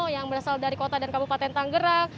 yang berasal dari kota dan kabupaten tanggerang